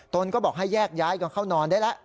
ตนก็บอกให้แยกย้ายก็เข้านอนได้แล้ว